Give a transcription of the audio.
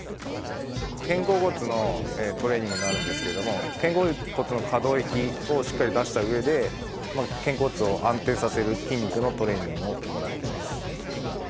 肩甲骨のトレーニングになるんですけども肩甲骨の可動域をしっかり出した上で肩甲骨を安定させる筋肉のトレーニングを行っています。